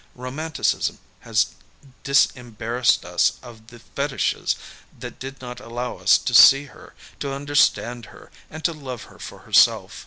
Romanticism has disem barrassed us of the fetiches that did not allow us to see her, to understand her and to love her for herself.